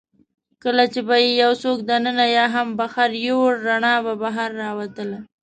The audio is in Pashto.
کله چي به يې یوڅوک دننه یا هم بهر یووړ، رڼا به بهر راوتل.